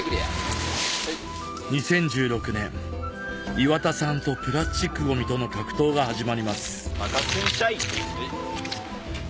岩田さんとプラスチックゴミとの格闘が始まります